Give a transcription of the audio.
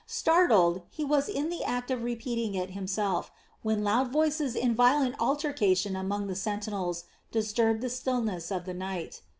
Startled, he was in the act of repeating it himself, when loud voices in violent altercation among the sentinels disturbed the stillness of the night.